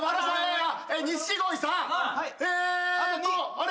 あれ？